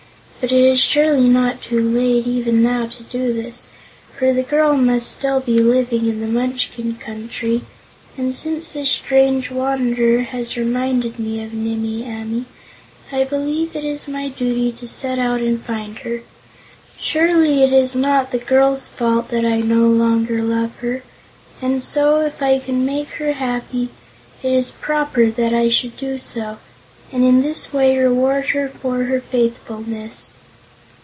But it is surely not too late, even now, to do this, for the girl must still be living in the Munchkin Country. And, since this strange Wanderer has reminded me of Nimmie Amee, I believe it is my duty to set out and find her. Surely it is not the girl's fault that I no longer love her, and so, if I can make her happy, it is proper that I should do so, and in this way reward her for her faithfulness."